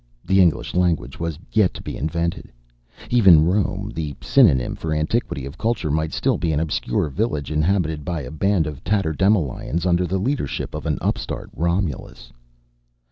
The English language was yet to be invented. Even Rome, the synonym for antiquity of culture, might still be an obscure village inhabited by a band of tatterdemalions under the leadership of an upstart Romulus.